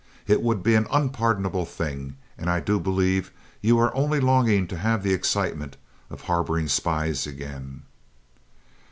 It would be an unpardonable thing, and I do believe you are only longing to have the excitement of harbouring spies again!"